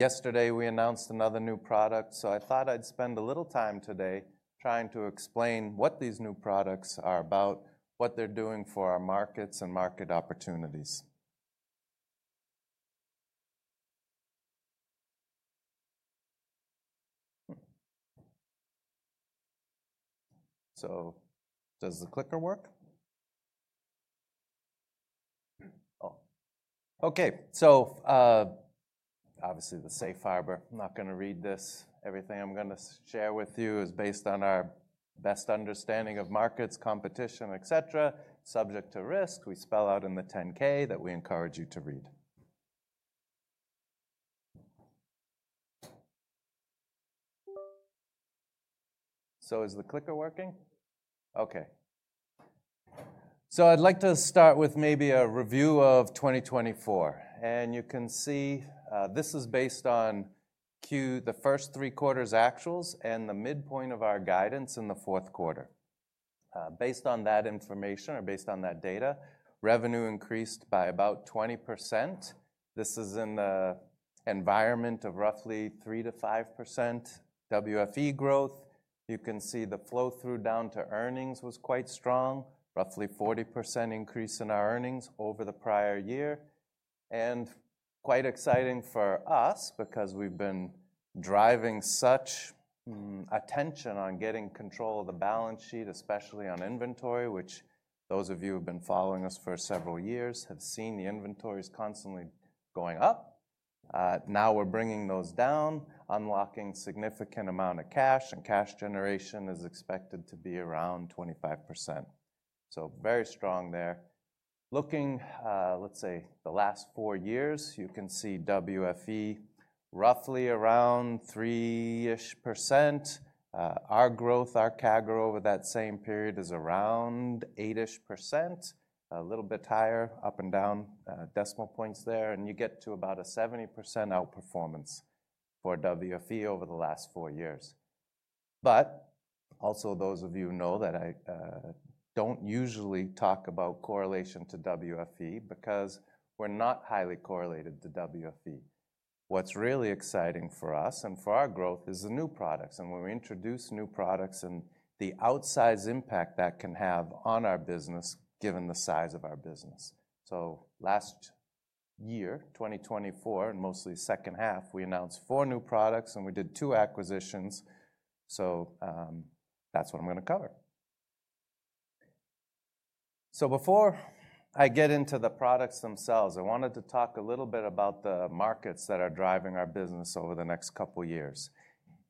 Yesterday we announced another new product, so I thought I'd spend a little time today trying to explain what these new products are about, what they're doing for our markets and market opportunities. So, does the clicker work? Oh. Okay, so, obviously the Safe Harbor, I'm not going to read this. Everything I'm going to share with you is based on our best understanding of markets, competition, etc., subject to risk we spell out in the 10-K that we encourage you to read. So, is the clicker working? Okay. So, I'd like to start with maybe a review of 2024, and you can see, this is based on Q, the first three quarters' actuals, and the midpoint of our guidance in Q4. Based on that information, or based on that data, revenue increased by about 20%. This is in the environment of roughly 3%-5% WFE growth. You can see the flow-through down to earnings was quite strong, roughly 40% increase in our earnings over the prior year, and quite exciting for us because we've been driving such attention on getting control of the balance sheet, especially on inventory, which those of you who've been following us for several years have seen the inventories constantly going up. Now we're bringing those down, unlocking a significant amount of cash, and cash generation is expected to be around 25%, so very strong there. Looking, let's say the last four years, you can see WFE roughly around 3-ish%. Our growth, our CAGR over that same period is around 8-ish%, a little bit higher, up and down, decimal points there, and you get to about a 70% outperformance for WFE over the last four years. But also those of you know that I don't usually talk about correlation to WFE because we're not highly correlated to WFE. What's really exciting for us and for our growth is the new products, and when we introduce new products and the outsize impact that can have on our business, given the size of our business, so last year, 2024, and mostly H2, we announced four new products, and we did two acquisitions, so that's what I'm going to cover, so before I get into the products themselves, I wanted to talk a little bit about the markets that are driving our business over the next couple of years,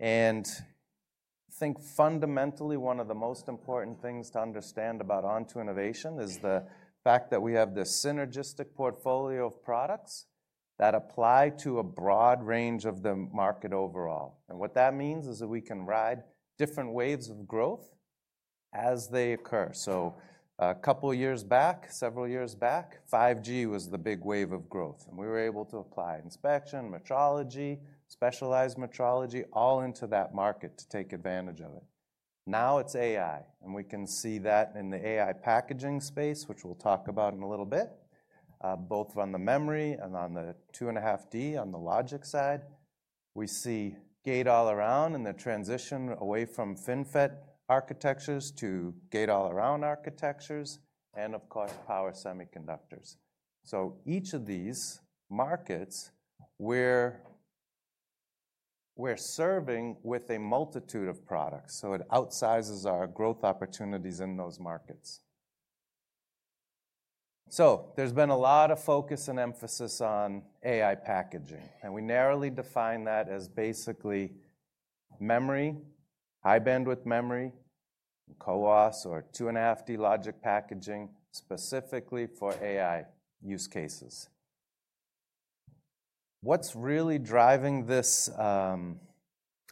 and I think fundamentally one of the most important things to understand about Onto Innovation is the fact that we have this synergistic portfolio of products that apply to a broad range of the market overall. What that means is that we can ride different waves of growth as they occur. A couple years back, several years back, 5G was the big wave of growth, and we were able to apply inspection, metrology, specialized metrology, all into that market to take advantage of it. Now it's AI, and we can see that in the AI packaging space, which we'll talk about in a little bit, both on the memory and on the 2.5D on the logic side. We see Gate-All-Around and the transition away from FinFET architectures to Gate-All-Around architectures, and of course Power Semiconductors. Each of these markets, we're serving with a multitude of products, so it outsizes our growth opportunities in those markets. So, there's been a lot of focus and emphasis on AI packaging, and we narrowly define that as basically memory, high bandwidth memory, and CoWoS or 2.5D logic packaging specifically for AI use cases. What's really driving this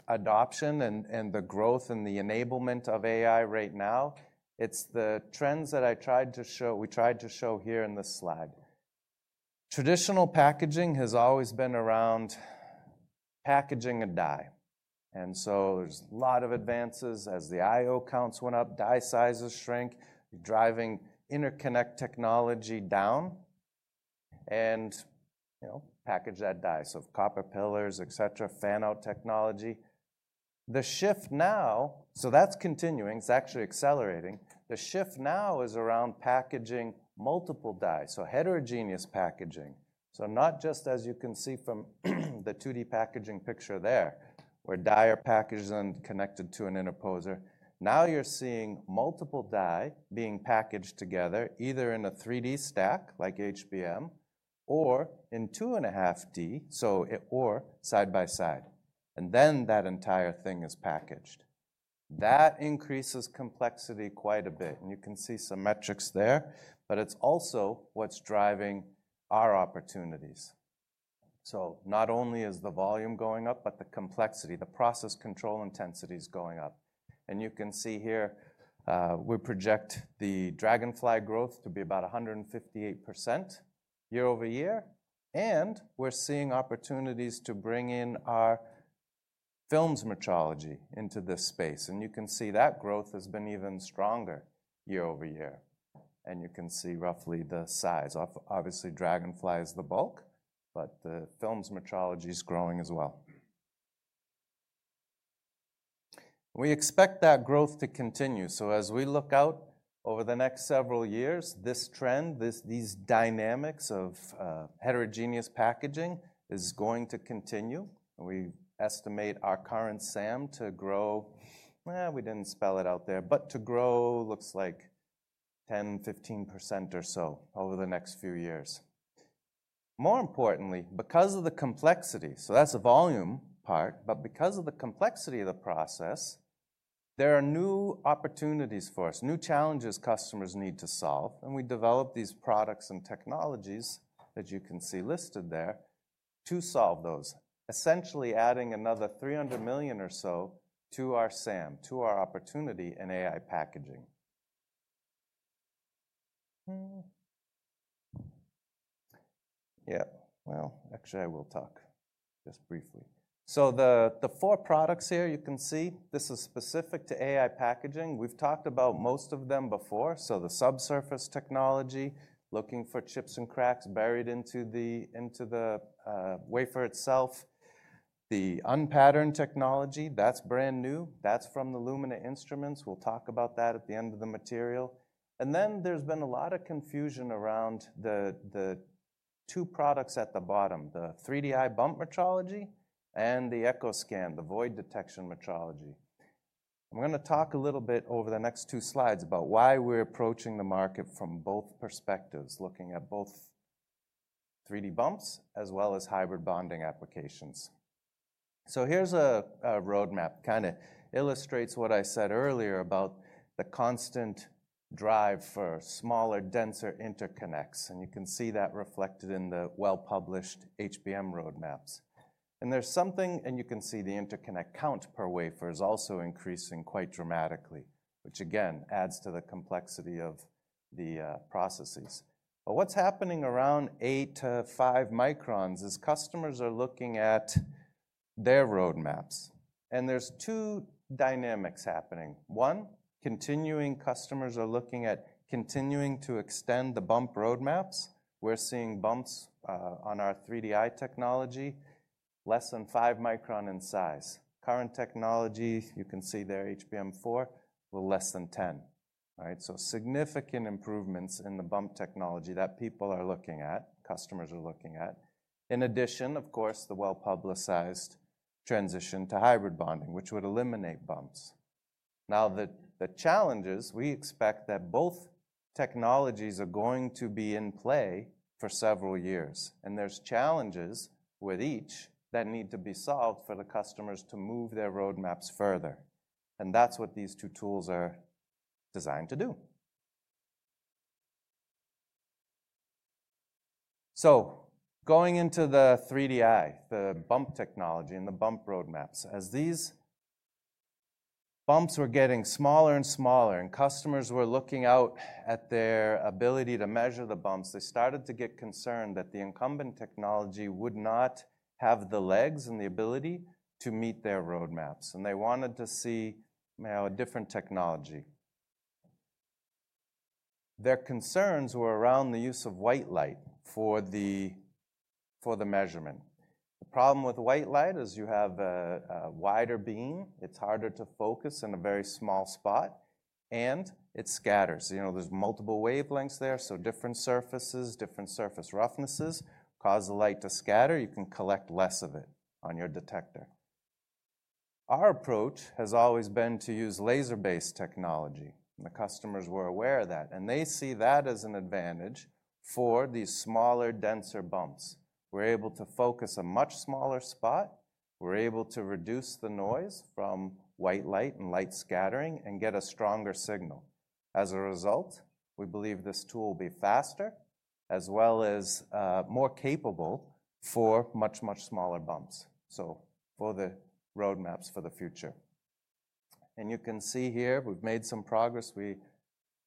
adoption and the growth and the enablement of AI right now, it's the trends that I tried to show, we tried to show here in this slide. Traditional packaging has always been around packaging a die, and so there's a lot of advances. As the I/O counts went up, die sizes shrank, driving interconnect technology down, and, you know, package that die. So, copper pillars, etc., fan-out technology. The shift now, so that's continuing, it's actually accelerating. The shift now is around packaging multiple die, so heterogeneous packaging. So, not just as you can see from the 2D packaging picture there, where die are packaged and connected to an interposer. Now you're seeing multiple die being packaged together, either in a 3D stack like HBM, or in 2.5D, or side by side, and then that entire thing is packaged. That increases complexity quite a bit, and you can see some metrics there, but it's also what's driving our opportunities. So, not only is the volume going up, but the complexity, the process control intensity is going up, and you can see here, we project the Dragonfly growth to be about 158% year over year, and we're seeing opportunities to bring in our films metrology into this space, and you can see that growth has been even stronger year over year, and you can see roughly the size. Obviously, Dragonfly is the bulk, but the films metrology is growing as well. We expect that growth to continue, so as we look out over the next several years, this trend, this, these dynamics of heterogeneous packaging is going to continue. We estimate our current SAM to grow. We didn't spell it out there, but to grow looks like 10%-15% or so over the next few years. More importantly, because of the complexity, so that's the volume part, but because of the complexity of the process, there are new opportunities for us, new challenges customers need to solve, and we develop these products and technologies that you can see listed there to solve those, essentially adding another $300 million or so to our SAM, to our opportunity in AI packaging. Yeah, well, actually I will talk just briefly. So, the four products here you can see, this is specific to AI packaging. We've talked about most of them before, so the subsurface technology, looking for chips and cracks buried into the wafer itself. The unpatterned technology, that's brand new, that's from the Lumina Instruments. We'll talk about that at the end of the material. And then there's been a lot of confusion around the two products at the bottom, the 3Di bump metrology and the EchoScan, the void detection metrology. I'm going to talk a little bit over the next two slides about why we're approaching the market from both perspectives, looking at both 3D bumps as well as hybrid bonding applications. So here's a roadmap, kind of illustrates what I said earlier about the constant drive for smaller, denser interconnects, and you can see that reflected in the well-published HBM roadmaps. And there's something, and you can see the interconnect count per wafer is also increasing quite dramatically, which again adds to the complexity of the processes. But what's happening around eight to five microns is customers are looking at their roadmaps, and there's two dynamics happening. One, continuing customers are looking at continuing to extend the bump roadmaps. We're seeing bumps, on our 3DI technology, less than five micron in size. Current technology, you can see there HBM4, less than 10, right? So significant improvements in the bump technology that people are looking at, customers are looking at. In addition, of course, the well-publicized transition to hybrid bonding, which would eliminate bumps. Now the challenges, we expect that both technologies are going to be in play for several years, and there's challenges with each that need to be solved for the customers to move their roadmaps further, and that's what these two tools are designed to do. So, going into the 3DI, the bump technology and the bump roadmaps, as these bumps were getting smaller and smaller and customers were looking out at their ability to measure the bumps, they started to get concerned that the incumbent technology would not have the legs and the ability to meet their roadmaps, and they wanted to see, you know, a different technology. Their concerns were around the use of white light for the measurement. The problem with white light is you have a wider beam, it's harder to focus in a very small spot, and it scatters. You know, there's multiple wavelengths there, so different surfaces, different surface roughnesses cause the light to scatter. You can collect less of it on your detector. Our approach has always been to use laser-based technology, and the customers were aware of that, and they see that as an advantage for these smaller, denser bumps. We're able to focus a much smaller spot, we're able to reduce the noise from white light and light scattering, and get a stronger signal. As a result, we believe this tool will be faster, as well as more capable for much, much smaller bumps. So, for the roadmaps for the future, and you can see here we've made some progress. We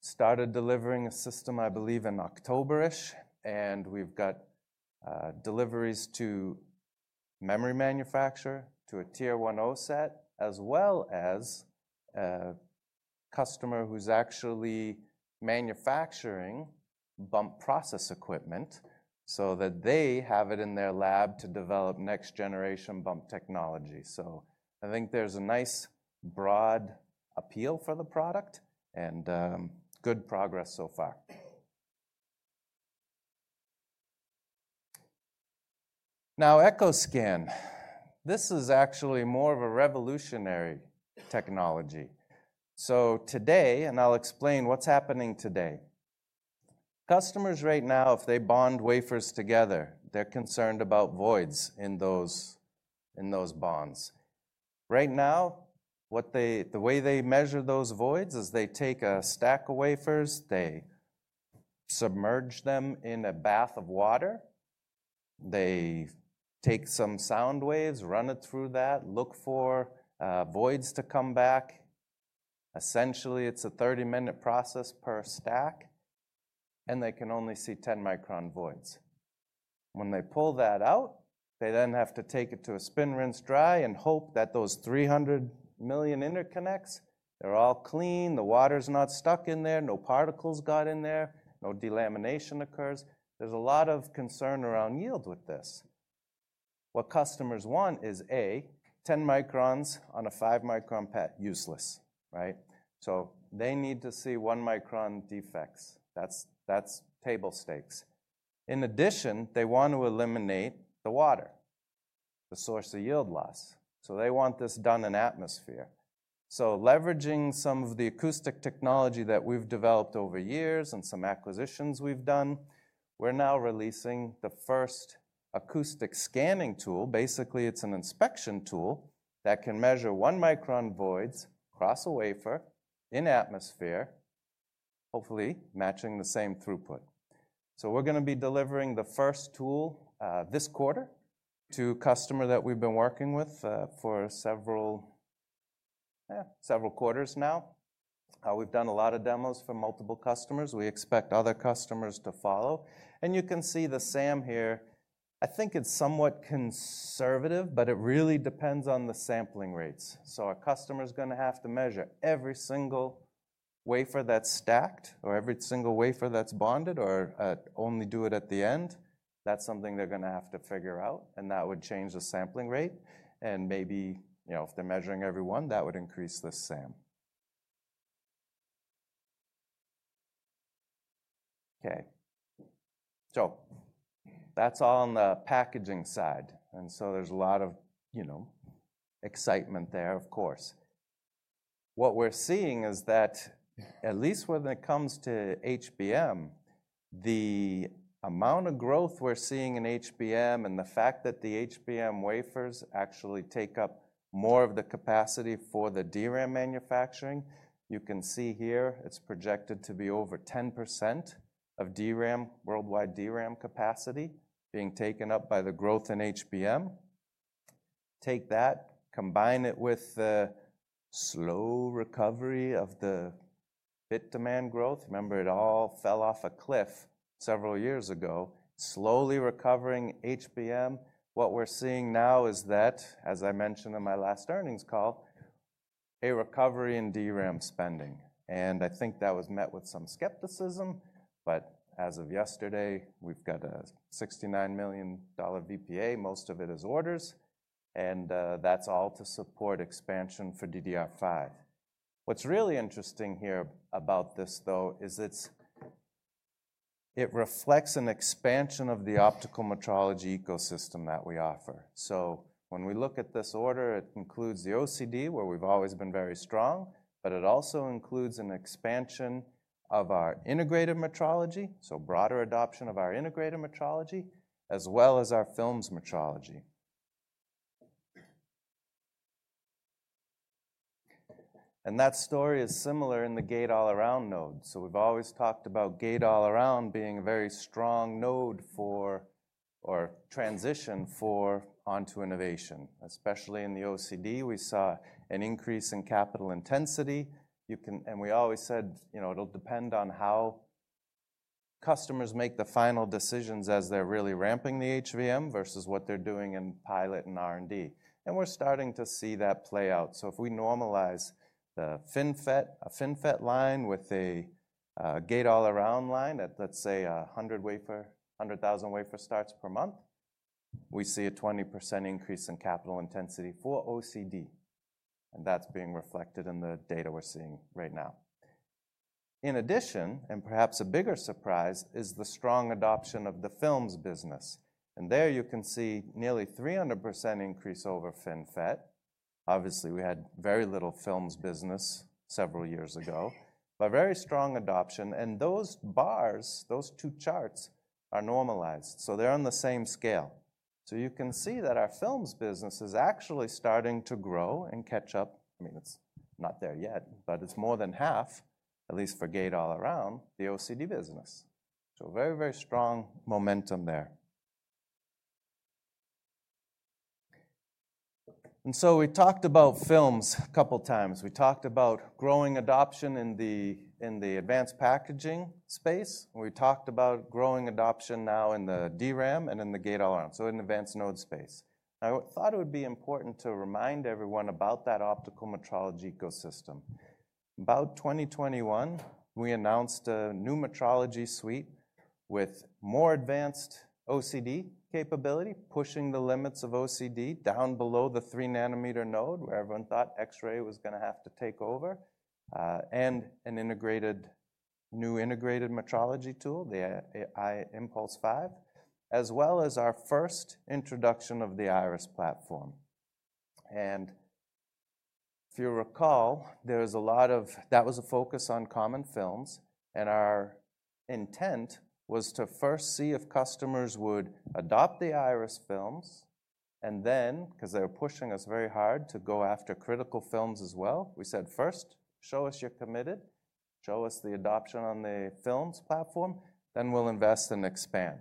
started delivering a system, I believe, in October-ish, and we've got deliveries to memory manufacturer, to a Tier 1 OSAT, as well as a customer who's actually manufacturing bump process equipment, so that they have it in their lab to develop next-generation bump technology. So, I think there's a nice broad appeal for the product and good progress so far. Now, EchoScan, this is actually more of a revolutionary technology. So, today, and I'll explain what's happening today. Customers right now, if they bond wafers together, they're concerned about voids in those, in those bonds. Right now, the way they measure those voids is they take a stack of wafers, they submerge them in a bath of water, they take some sound waves, run it through that, look for voids to come back. Essentially, it's a 30-minute process per stack, and they can only see 10-micron voids. When they pull that out, they then have to take it to a spin rinse dry and hope that those 300 million interconnects, they're all clean, the water's not stuck in there, no particles got in there, no delamination occurs. There's a lot of concern around yield with this. What customers want is, A, 10 microns on a 5-micron pitch, useless, right? So, they need to see 1-micron defects. That's, that's table stakes. In addition, they want to eliminate the water, the source of yield loss. So, they want this done in atmosphere. So, leveraging some of the acoustic technology that we've developed over years and some acquisitions we've done, we're now releasing the first acoustic scanning tool. Basically, it's an inspection tool that can measure 1-micron voids across a wafer in atmosphere, hopefully matching the same throughput. So, we're going to be delivering the first tool this quarter to a customer that we've been working with for several, several quarters now. We've done a lot of demos for multiple customers. We expect other customers to follow. And you can see the SAM here. I think it's somewhat conservative, but it really depends on the sampling rates. So, a customer's going to have to measure every single wafer that's stacked, or every single wafer that's bonded, or only do it at the end. That's something they're going to have to figure out, and that would change the sampling rate, and maybe, you know, if they're measuring every one, that would increase the SAM. Okay. So, that's all on the packaging side, and so there's a lot of, you know, excitement there, of course. What we're seeing is that, at least when it comes to HBM, the amount of growth we're seeing in HBM and the fact that the HBM wafers actually take up more of the capacity for the DRAM manufacturing, you can see here it's projected to be over 10% of DRAM, worldwide DRAM capacity, being taken up by the growth in HBM. Take that, combine it with the slow recovery of the bit demand growth. Remember, it all fell off a cliff several years ago, slowly recovering HBM. What we're seeing now is that, as I mentioned in my last earnings call, a recovery in DRAM spending, and I think that was met with some skepticism, but as of yesterday, we've got a $69 million VPA, most of it is orders, and, that's all to support expansion for DDR5. What's really interesting here about this, though, is it reflects an expansion of the optical metrology ecosystem that we offer, so when we look at this order, it includes the OCD, where we've always been very strong, but it also includes an expansion of our integrated metrology, so broader adoption of our integrated metrology, as well as our films metrology, and that story is similar in the Gate-All-Around node, so we've always talked about Gate-All-Around being a very strong node for, or transition for, Onto Innovation. Especially in the OCD, we saw an increase in capital intensity, and we always said, you know, it'll depend on how customers make the final decisions as they're really ramping the HBM versus what they're doing in pilot and R&D, and we're starting to see that play out. So, if we normalize the FinFET, a FinFET line with a Gate-All-Around line at, let's say, 100,000 wafer starts per month, we see a 20% increase in capital intensity for OCD, and that's being reflected in the data we're seeing right now. In addition, and perhaps a bigger surprise, is the strong adoption of the films business, and there you can see nearly 300% increase over FinFET. Obviously, we had very little films business several years ago, but very strong adoption, and those bars, those two charts are normalized, so they're on the same scale, so you can see that our films business is actually starting to grow and catch up. I mean, it's not there yet, but it's more than half, at least for Gate-All-Around, the OCD business, so very, very strong momentum there, and so we talked about films a couple of times. We talked about growing adoption in the advanced packaging space. We talked about growing adoption now in the DRAM and in the Gate-All-Around, so in advanced node space. I thought it would be important to remind everyone about that optical metrology ecosystem. About 2021, we announced a new metrology suite with more advanced OCD capability, pushing the limits of OCD down below the 3nm node, where everyone thought X-ray was going to have to take over, and a new integrated metrology tool, the AI Impulse 5, as well as our first introduction of the Iris platform. If you recall, there was a lot of, that was a focus on common films, and our intent was to first see if customers would adopt the IRIS films, and then, because they were pushing us very hard to go after critical films as well, we said, first, show us you're committed, show us the adoption on the films platform, then we'll invest and expand.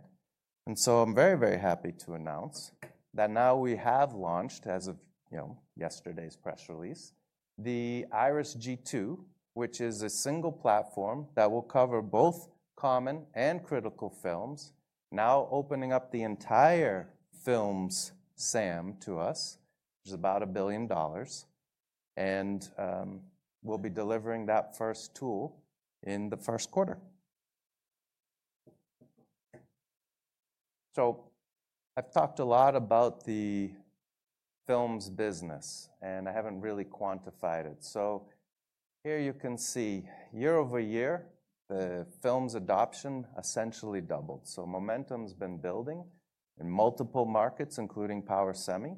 And so, I'm very, very happy to announce that now we have launched, as of, you know, yesterday's press release, the Iris G2, which is a single platform that will cover both common and critical films, now opening up the entire films SAM to us, which is about $1 billion, and, we'll be delivering that first tool in the first quarter. So, I've talked a lot about the films business, and I haven't really quantified it. So, here you can see, year over year, the films adoption essentially doubled. So, momentum's been building in multiple markets, including Power Semi,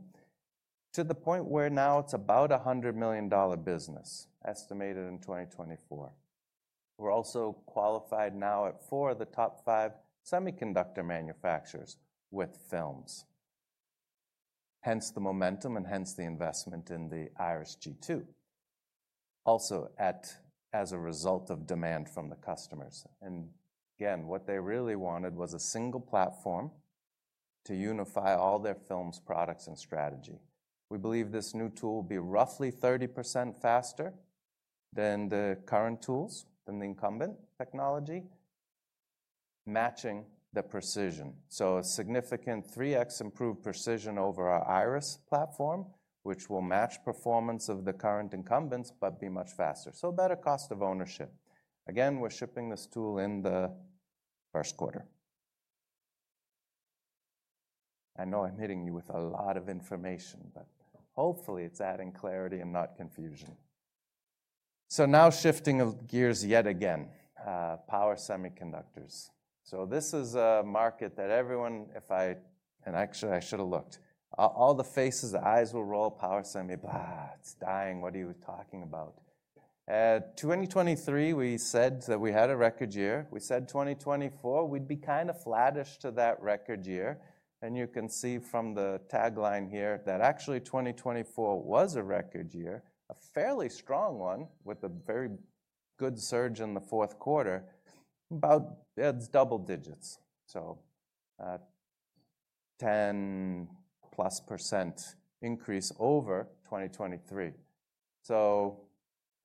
to the point where now it's about a $100 million business, estimated in 2024. We're also qualified now at four of the top five semiconductor manufacturers with films. Hence the momentum and hence the investment in the IRIS G2, also as a result of demand from the customers. And again, what they really wanted was a single platform to unify all their films, products, and strategy. We believe this new tool will be roughly 30% faster than the current tools, than the incumbent technology, matching the precision. So, a significant 3x improved precision over our IRIS platform, which will match performance of the current incumbents, but be much faster. So, better cost of ownership. Again, we're shipping this tool in Q1. I know I'm hitting you with a lot of information, but hopefully it's adding clarity and not confusion. So, now shifting of gears yet again, Power Semiconductors. So, this is a market that everyone, if I, and actually I should have looked, all the faces, the eyes will roll, Power Semi, it's dying, what are you talking about? 2023, we said that we had a record year. We said 2024, we'd be kind of flattish to that record year. And you can see from the tagline here that actually 2024 was a record year, a fairly strong one with a very good surge in Q4, about, it's double digits. So, 10% plus increase over 2023. So,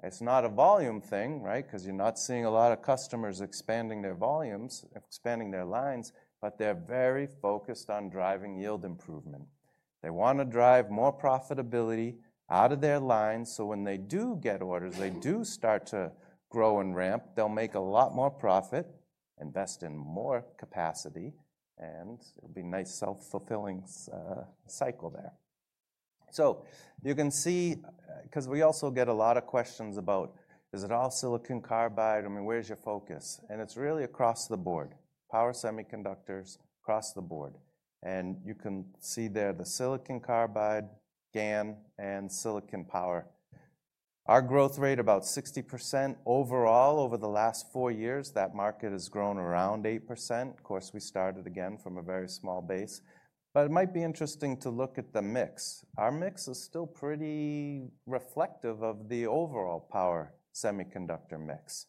it's not a volume thing, right? Because you're not seeing a lot of customers expanding their volumes, expanding their lines, but they're very focused on driving yield improvement. They want to drive more profitability out of their lines, so when they do get orders, they do start to grow and ramp, they'll make a lot more profit, invest in more capacity, and it'll be a nice self-fulfilling cycle there. So, you can see, because we also get a lot of questions about, is it all silicon carbide? I mean, where's your focus? And it's really across the board, Power Semiconductors, across the board. And you can see there the silicon carbide, GaN, and silicon power. Our growth rate about 60% overall over the last four years. That market has grown around 8%. Of course, we started again from a very small base, but it might be interesting to look at the mix. Our mix is still pretty reflective of the overall Power Semiconductor mix.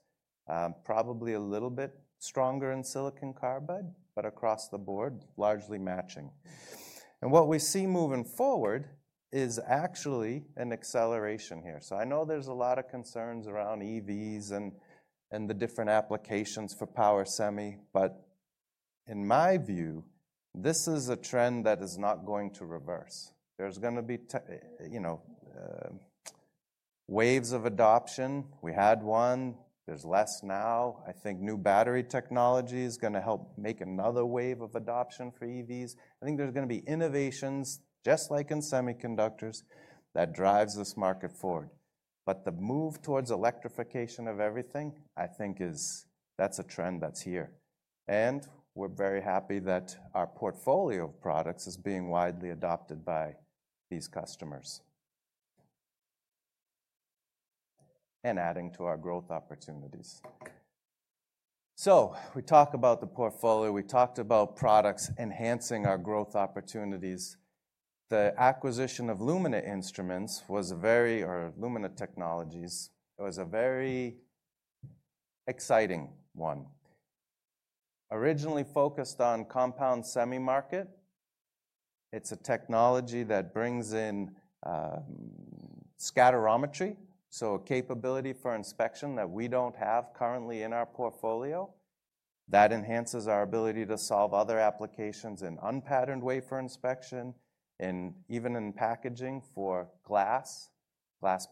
Probably a little bit stronger in silicon carbide, but across the board, largely matching. What we see moving forward is actually an acceleration here. I know there's a lot of concerns around EVs and the different applications for Power Semi, but in my view, this is a trend that is not going to reverse. There's going to be, you know, waves of adoption. We had one, there's less now. I think new battery technology is going to help make another wave of adoption for EVs. I think there's going to be innovations, just like in semiconductors, that drives this market forward. But the move towards electrification of everything, I think is, that's a trend that's here. We're very happy that our portfolio of products is being widely adopted by these customers and adding to our growth opportunities. We talked about the portfolio, we talked about products enhancing our growth opportunities. The acquisition of Lumina Instruments, or Lumina Technologies, was a very exciting one. Originally focused on compound semi market, it's a technology that brings in scatterometry, so a capability for inspection that we don't have currently in our portfolio. That enhances our ability to solve other applications in unpatterned wafer inspection, and even in packaging for glass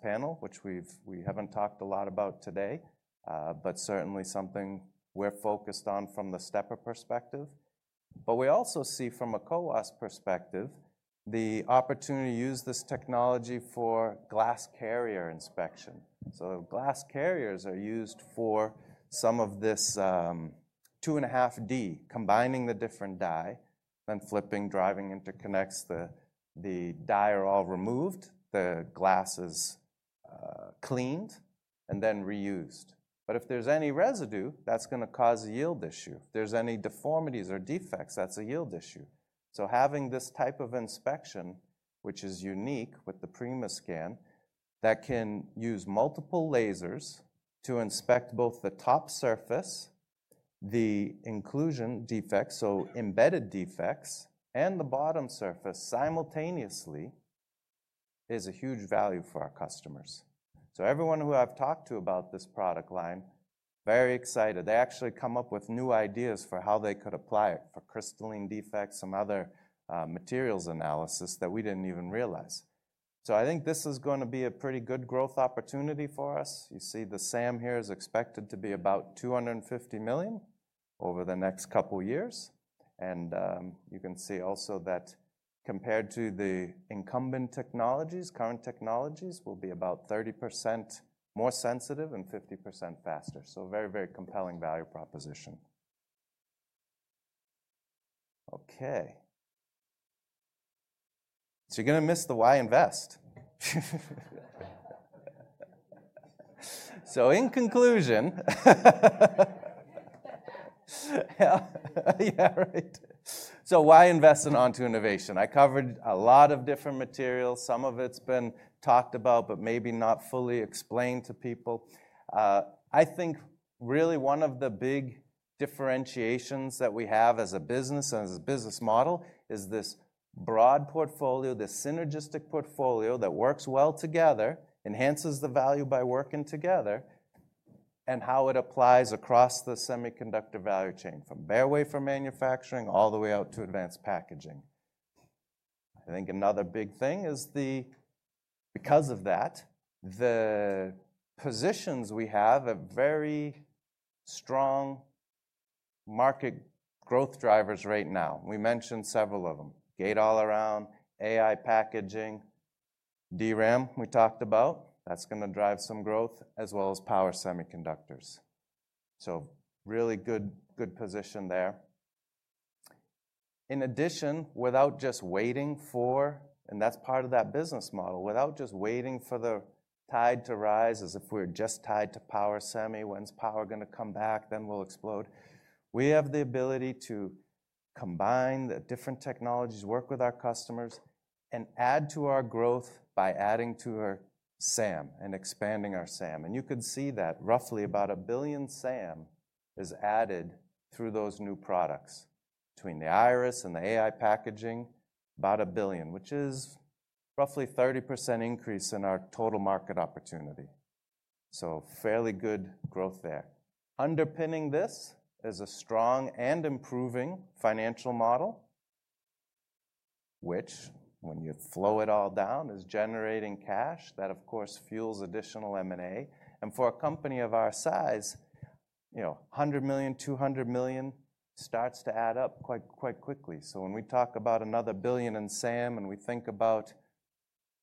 panel, which we haven't talked a lot about today, but certainly something we're focused on from the stepper perspective, but we also see from a CoWoS perspective the opportunity to use this technology for glass carrier inspection. So glass carriers are used for some of this 2.5D, combining the different die, then flipping, driving interconnects, the die are all removed, the glass is cleaned and then reused. But if there's any residue, that's going to cause a yield issue. If there's any deformities or defects, that's a yield issue, so having this type of inspection, which is unique with the PrimaScan, that can use multiple lasers to inspect both the top surface, the inclusion defects, so embedded defects, and the bottom surface simultaneously is a huge value for our customers, so everyone who I've talked to about this product line, very excited. They actually come up with new ideas for how they could apply it for crystalline defects, some other materials analysis that we didn't even realize, so I think this is going to be a pretty good growth opportunity for us. You see the SAM here is expected to be about $250 million over the next couple of years, and you can see also that compared to the incumbent technologies, current technologies will be about 30% more sensitive and 50% faster, so very, very compelling value proposition. Okay. You're going to miss the why invest. In conclusion, yeah, right. Why invest in Onto Innovation? I covered a lot of different materials. Some of it's been talked about, but maybe not fully explained to people. I think really one of the big differentiations that we have as a business and as a business model is this broad portfolio, this synergistic portfolio that works well together, enhances the value by working together, and how it applies across the semiconductor value chain from bare wafer manufacturing all the way out to advanced packaging. I think another big thing is the, because of that, the positions we have are very strong market growth drivers right now. We mentioned several of them. Gate-All-Around, AI packaging, DRAM we talked about, that's going to drive some growth as well as Power Semiconductors. Really good, good position there. In addition, without just waiting for, and that's part of that business model, without just waiting for the tide to rise as if we're just tied to Power Semi, when's power going to come back, then we'll explode. We have the ability to combine the different technologies, work with our customers, and add to our growth by adding to our SAM and expanding our SAM. And you can see that roughly about a billion SAM is added through those new products between the IRIS and the AI packaging, about a billion, which is roughly 30% increase in our total market opportunity. So, fairly good growth there. Underpinning this is a strong and improving financial model, which when you flow it all down is generating cash that of course fuels additional M&A. And for a company of our size, you know, $100-200 million starts to add up quite, quite quickly. So, when we talk about another $1 billion in SAM and we think about,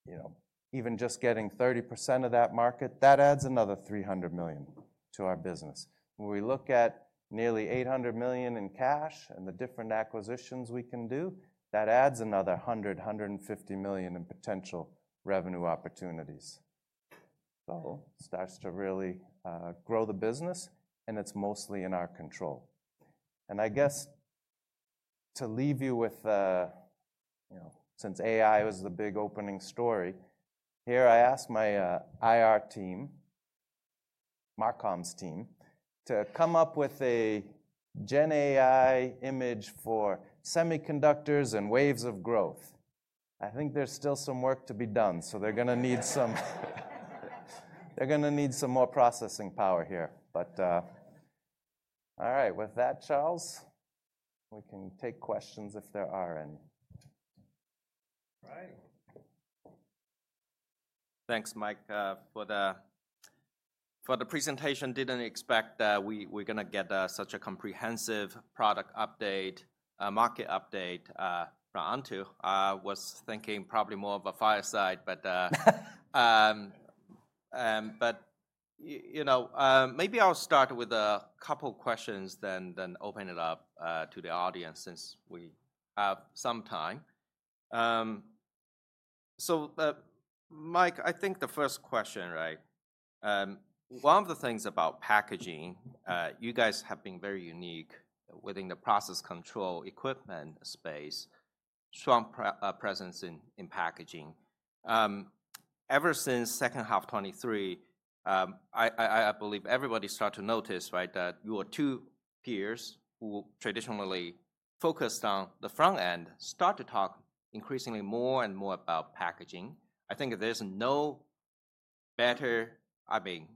you know, even just getting 30% of that market, that adds another $300 million to our business. When we look at nearly $800 million in cash and the different acquisitions we can do, that adds another $100-150 million in potential revenue opportunities. So, it starts to really grow the business and it's mostly in our control. And I guess to leave you with, you know, since AI was the big opening story, here I asked my IR team, Mark Sgriccia team, to come up with a Gen AI image for semiconductors and waves of growth. I think there's still some work to be done, so they're going to need some, they're going to need some more processing power here. But, all right, with that, Charles, we can take questions if there are any. All right. Thanks, Mike, for the, for the presentation. Didn't expect that we're going to get such a comprehensive product update, market update from Onto. I was thinking probably more of a fireside, but, but you know, maybe I'll start with a couple of questions then, then open it up to the audience since we have some time. So, Mike, I think the first question, right? One of the things about packaging, you guys have been very unique within the process control equipment space, strong presence in packaging. Ever since second half 2023, I believe everybody started to notice, right, that your two peers who traditionally focused on the front end start to talk increasingly more and more about packaging. I think there's no better, I mean,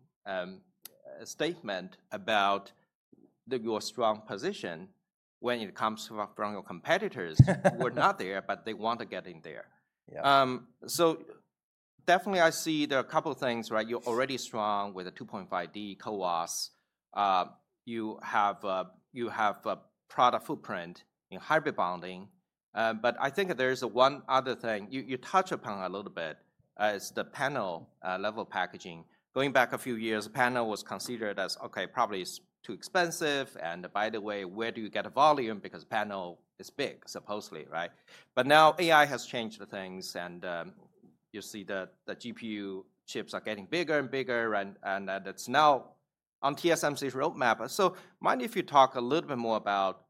statement about your strong position when it comes from your competitors who are not there, but they want to get in there. Yeah, so definitely I see there are a couple of things, right? You're already strong with the 2.5D CoWoS. You have, you have a product footprint in hybrid bonding. But I think there's one other thing you touch upon a little bit as the panel-level packaging. Going back a few years, the panel was considered as, okay, probably it's too expensive, and by the way, where do you get a volume? Because panel is big, supposedly, right? But now AI has changed the things, and you see that the GPU chips are getting bigger and bigger, right? And that's now on TSMC's roadmap. So, would you mind talking a little bit more about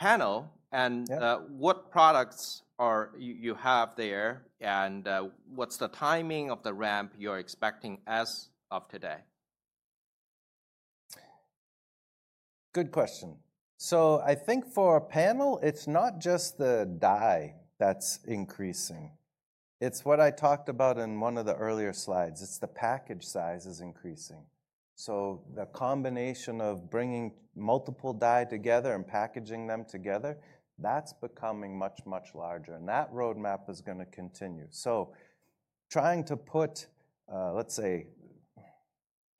panel and what products do you have there and what's the timing of the ramp you're expecting as of today? Good question. So, I think for a panel, it's not just the die that's increasing. It's what I talked about in one of the earlier slides. It's the package size is increasing. So, the combination of bringing multiple die together and packaging them together, that's becoming much, much larger. And that roadmap is going to continue. So, trying to put, let's say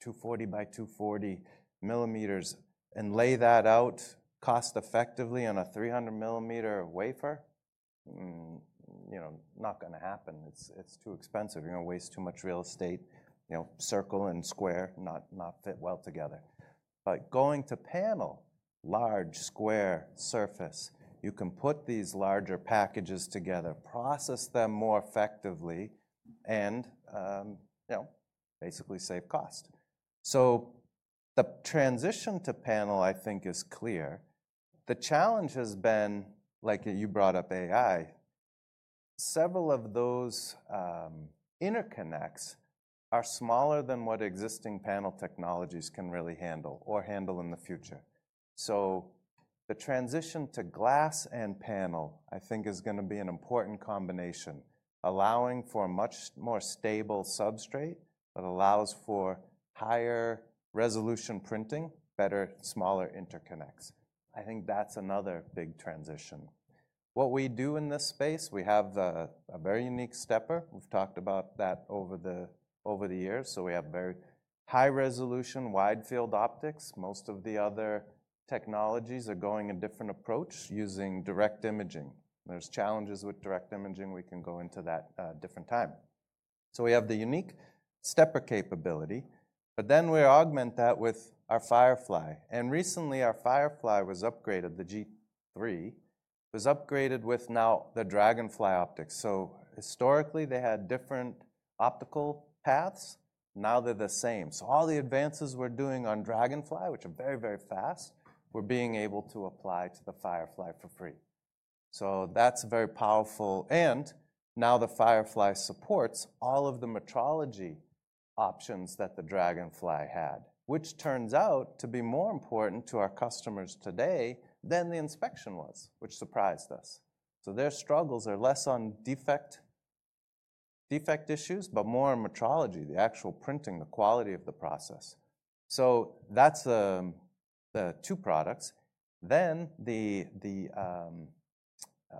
240 by 240mm and lay that out cost-effectively on a 300mm wafer, you know, not going to happen. It's too expensive. You're going to waste too much real estate, you know, circle and square, not fit well together. But going to panel, large square surface, you can put these larger packages together, process them more effectively, and, you know, basically save cost. So, the transition to panel I think is clear. The challenge has been, like you brought up AI, several of those, interconnects are smaller than what existing panel technologies can really handle or handle in the future. So, the transition to glass and panel I think is going to be an important combination, allowing for a much more stable substrate that allows for higher resolution printing, better, smaller interconnects. I think that's another big transition. What we do in this space, we have a very unique stepper. We've talked about that over the years. So, we have very high resolution, wide field optics. Most of the other technologies are going a different approach using direct imaging. There's challenges with direct imaging. We can go into that at a different time. So, we have the unique stepper capability, but then we augment that with our Firefly. And recently our Firefly was upgraded, the G3 was upgraded with now the Dragonfly optics. So, historically they had different optical paths. Now they're the same. So, all the advances we're doing on Dragonfly, which are very, very fast, we're being able to apply to the Firefly for free. So, that's very powerful. And now the Firefly supports all of the metrology options that the Dragonfly had, which turns out to be more important to our customers today than the inspection was, which surprised us. So, their struggles are less on defect issues, but more on metrology, the actual printing, the quality of the process. So, that's the two products. Then the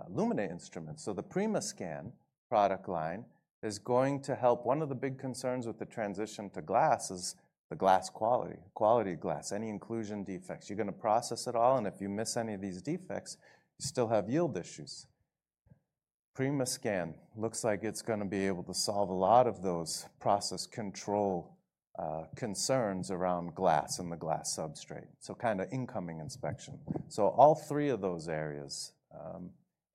Lumina Instruments. So, the PrimaScan product line is going to help. One of the big concerns with the transition to glass is the glass quality, quality of glass, any inclusion defects. You're going to process it all. And if you miss any of these defects, you still have yield issues. PrimaScan looks like it's going to be able to solve a lot of those process control concerns around glass and the glass substrate. So, kind of incoming inspection. So, all three of those areas.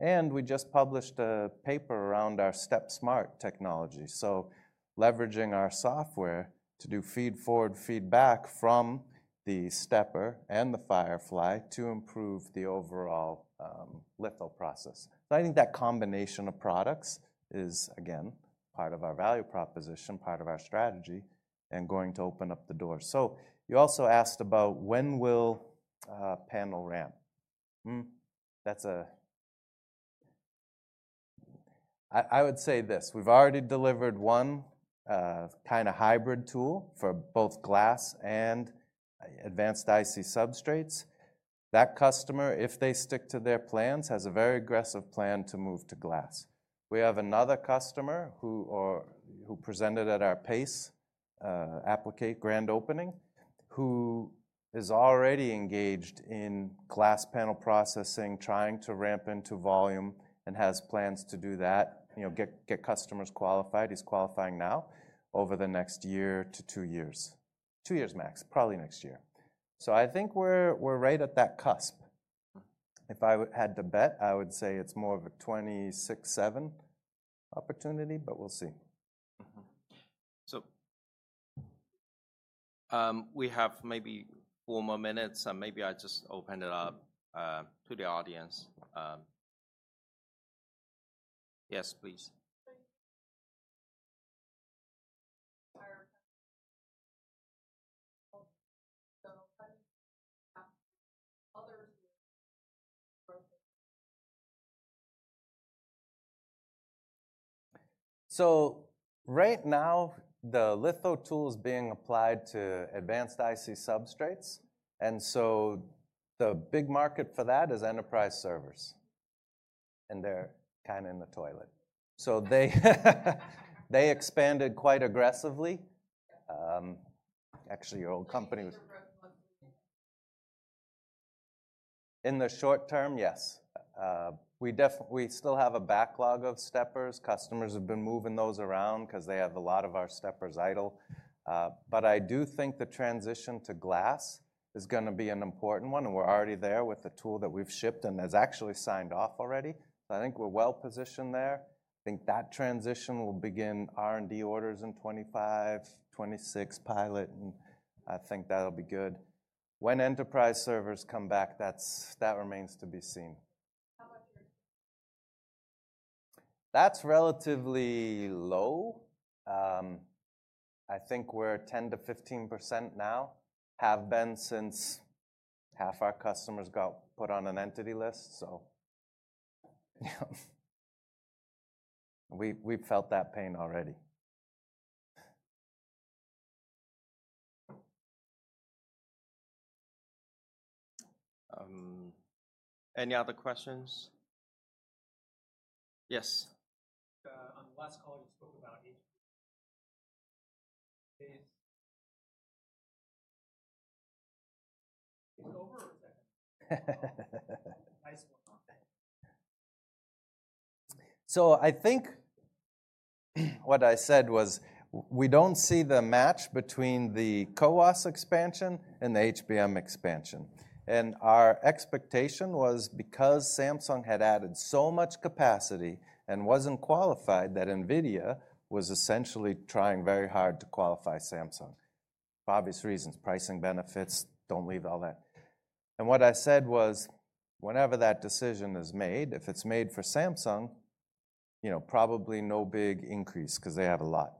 And we just published a paper around our StepSmart technology. So, leveraging our software to do feed forward, feed back from the stepper and the Firefly to improve the overall litho process. So, I think that combination of products is again part of our value proposition, part of our strategy and going to open up the door. So, you also asked about when will panel ramp? That's. I would say, we've already delivered one kind of hybrid tool for both glass and advanced IC substrates. That customer, if they stick to their plans, has a very aggressive plan to move to glass. We have another customer who presented at our PACE Applicate Grand Opening, who is already engaged in glass panel processing, trying to ramp into volume and has plans to do that, you know, get customers qualified. He's qualifying now over the next year to two years, two years max, probably next year. So, I think we're right at that cusp. If I had to bet, I would say it's more of a 2026-2027 opportunity, but we'll see. So, we have maybe four more minutes and maybe I just open it up to the audience. Yes, please. So, right now the litho tool is being applied to advanced IC substrates. And so the big market for that is enterprise servers. And they're kind of in the toilet. So, they expanded quite aggressively. Actually your old company was in the short term, yes. We definitely, we still have a backlog of steppers. Customers have been moving those around because they have a lot of our steppers idle. But I do think the transition to glass is going to be an important one. And we're already there with the tool that we've shipped and has actually signed off already. So, I think we're well positioned there. I think that transition will begin R&D orders in 2025, 2026 pilot. And I think that'll be good. When enterprise servers come back, that's, that remains to be seen. That's relatively low. I think we're 10%-15% now, have been since half our customers got put on an entity list. So, we've felt that pain already. Any other questions? Yes. On the last call, you spoke about HBM. So, I think what I said was we don't see the match between the CoWoS expansion and the HBM expansion. And our expectation was because Samsung had added so much capacity and wasn't qualified that NVIDIA was essentially trying very hard to qualify Samsung for obvious reasons. Pricing benefits don't leave all that. And what I said was whenever that decision is made, if it's made for Samsung, you know, probably no big increase because they have a lot.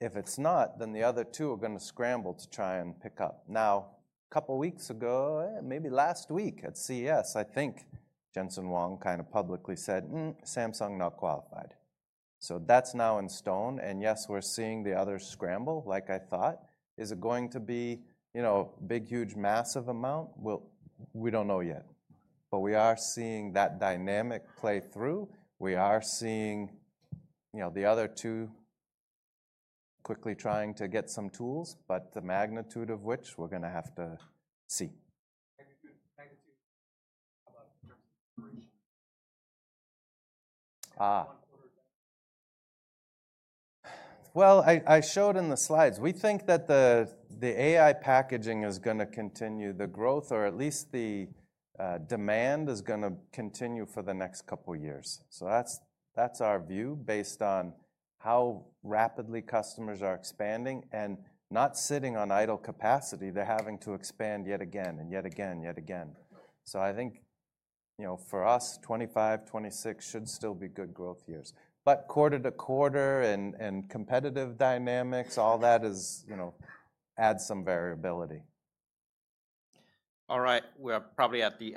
If it's not, then the other two are going to scramble to try and pick up. Now, a couple of weeks ago, maybe last week at CES, I think Jensen Huang kind of publicly said, "Samsung not qualified." So, that's now in stone, and yes, we're seeing the others scramble like I thought. Is it going to be, you know, a big, huge, massive amount? Well, we don't know yet, but we are seeing that dynamic play through. We are seeing, you know, the other two quickly trying to get some tools, but the magnitude of which we're going to have to see. I showed in the slides; we think that the AI packaging is going to continue the growth, or at least the demand is going to continue for the next couple of years. So, that's our view based on how rapidly customers are expanding and not sitting on idle capacity. They're having to expand yet again and yet again, yet again. So, I think, you know, for us, 2025, 2026 should still be good growth years, but quarter to quarter and competitive dynamics, all that is, you know, adds some variability. All right. We're probably at the end.